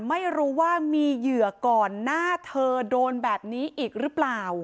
ไม่รู้ว่ามีเหยื่อก่อนหน้าเธอโดนแบบนี้อีกหรือเปล่า